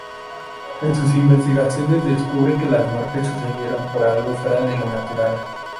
En su investigación descubre que las muertes sucedieron por algo fuera de lo natural.